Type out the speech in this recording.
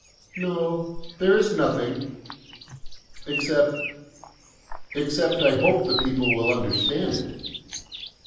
"No there is nothing except ... except I hope the people will understand it."